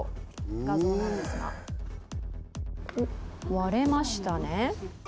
割れましたね